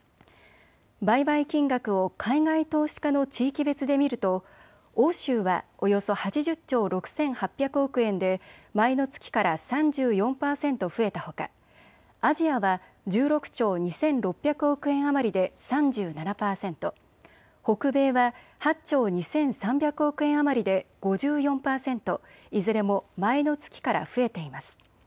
売買金額を海外投資家の地域別で見ると欧州はおよそ８０兆６８００億円で前の月から３４％増えたほか、アジアは１６兆２６００億円余りで３７％、北米は８兆２３００億円余りで５４％いずれも前の月から増えています。